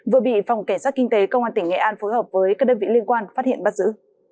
vừa bị phòng cảnh sát kinh tế công an tỉnh nghệ an phối hợp với các đơn vị liên quan phát hiện bắt giữ